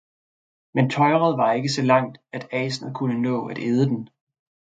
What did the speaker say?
men tøjret var ikke så langt at asnet kunne nå at æde den.